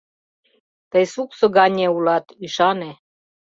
Тый суксо гане улат, ӱшане